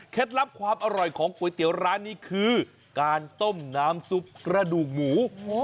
ลับความอร่อยของก๋วยเตี๋ยวร้านนี้คือการต้มน้ำซุปกระดูกหมู